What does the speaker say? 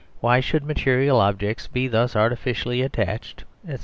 Why should material objects be thus artificially attached, etc.